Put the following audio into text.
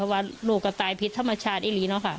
ว่าลูกก็ตายผิดธรรมชาติอย่างนี้เนอะค่ะ